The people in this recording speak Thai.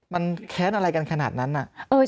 มันแค้นอะไรกันขนาดนั้นน่ะ